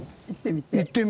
行ってみて。